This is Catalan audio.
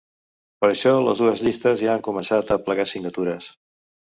Per això les dues llistes ja han començat a aplegar signatures.